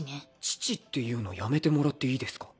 乳って言うのやめてもらっていいですか？